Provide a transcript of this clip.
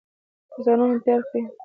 ځانونه تیار کړي.